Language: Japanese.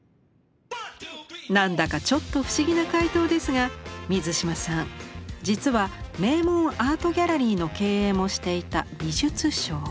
何だかちょっと不思議な回答ですが水嶋さん実は名門アートギャラリーの経営もしていた美術商。